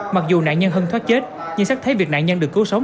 mặc dù nạn nhân hân thoát chết nhưng xác thấy việc nạn nhân được cứu sống